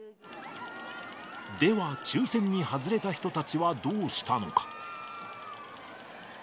では、抽せんに外れた人たちはどうしたのか。